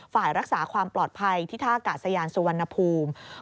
ฝ่ายรักษาความปลอดภัยที่ท่ากาศยานสุวรรณภูมิ